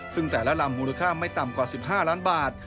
ซึ่งแต่ละลำมูลค่าไม่ต่ำกว่า๑๕ล้านบาท